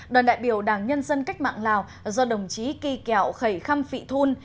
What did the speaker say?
đoàn đại biểu đảng nhân dân cách mạng lào do đồng chí kỳ kẹo khẩy khăm phị thun